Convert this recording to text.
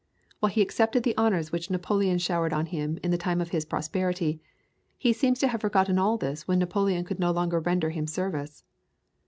While he accepted the honours which Napoleon showered on him in the time of his prosperity, he seems to have forgotten all this when Napoleon could no longer render him service.